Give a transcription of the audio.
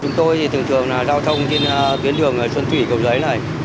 chúng tôi thường thường giao thông trên tuyến đường xuân thủy cầu giấy này